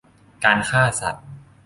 การฆ่าสัตว์